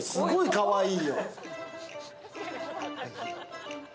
かわいい。